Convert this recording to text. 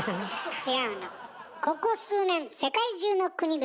違うの。